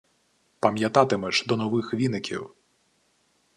Пам’ятатимеш до нових віників.